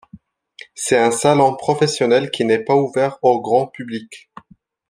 C’est un salon professionnel qui n’est pas ouvert au grand public.